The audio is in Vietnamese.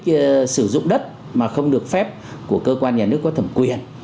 tự ý thay đổi mục đích sử dụng đất mà không được phép của cơ quan nhà nước có thẩm quyền